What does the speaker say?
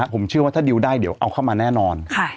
ผมเชื่อว่าถ้าดิวได้เดี๋ยวเอาเข้ามาแน่นอน